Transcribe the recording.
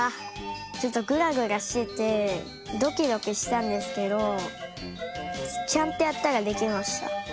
ちょっとグラグラしててドキドキしたんですけどちゃんとやったらできました。